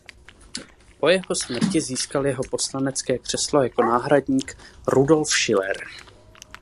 Po jeho smrti získal jeho poslanecké křeslo jako náhradník Rudolf Schiller.